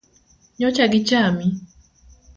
Nyocha gichami?